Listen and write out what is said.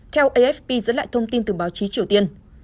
theo afp dẫn lại thông tin từ báo chí triều tiên